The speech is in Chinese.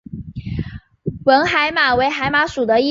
吻海马为海马属的一种。